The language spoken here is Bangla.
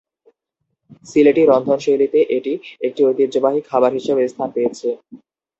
সিলেটি রন্ধনশৈলীতে এটি একটি ঐতিহ্যবাহী খাবার হিসেবে স্থান পেয়েছে।